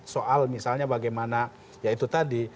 soal misalnya bagaimana ya itu tadi